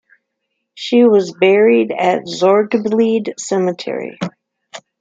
She was buried at Zorgvlied cemetery.